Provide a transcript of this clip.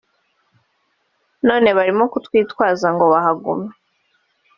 none barimo kutwitwaza ngo bahagume